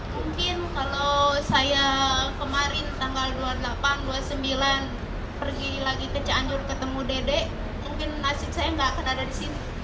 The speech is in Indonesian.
mungkin kalau saya kemarin tanggal dua puluh delapan dua puluh sembilan pergi lagi ke cianjur ketemu dede mungkin nasib saya nggak akan ada di sini